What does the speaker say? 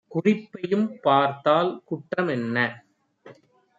குறிப்பையும் பார்த்தால் குற்ற மென்ன?"